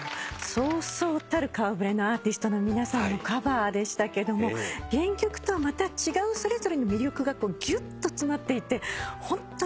そうそうたる顔触れのアーティストの皆さんのカバーでしたが原曲とはまた違うそれぞれの魅力がぎゅっと詰まっていてホントに素晴らしかったですね。